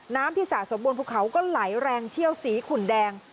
น้ำที่สะสมบนภูเขาก็ไหลแรงเชี่ยวสีขุนแดง